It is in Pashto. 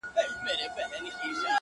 o ته حرکت وکه، زه به برکت وکم!